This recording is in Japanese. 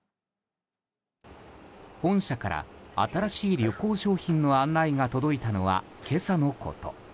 本社から新しい旅行商品の案内が届いたのは、今朝のこと。